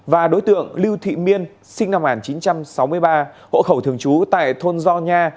và đối tượng lưu thị miên sinh năm một nghìn chín trăm sáu mươi ba hộ khẩu thường trú tại thôn gio nha